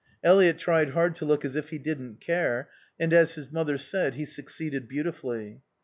Eliot tried hard to look as if he didn't care; and, as his mother said, he succeeded beautifully.